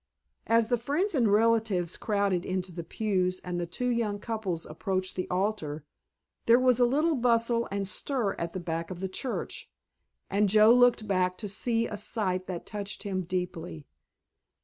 As the friends and relatives crowded into the pews and the two young couples approached the altar there was a little bustle and stir at the back of the church, and Joe looked back to see a sight that touched him deeply.